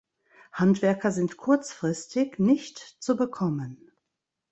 Handwerker sind kurzfristig nicht zu bekommen.